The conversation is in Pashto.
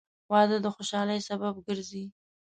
• واده د خوشحالۍ سبب ګرځي.